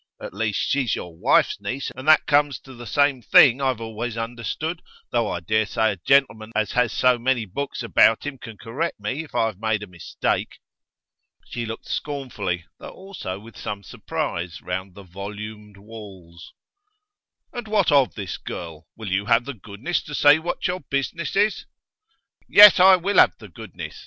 At least, she's your wife's niece, and that comes to the same thing, I've always understood, though I dare say a gentleman as has so many books about him can correct me if I've made a mistake.' She looked scornfully, though also with some surprise, round the volumed walls. 'And what of this girl? Will you have the goodness to say what your business is?' 'Yes, I will have the goodness!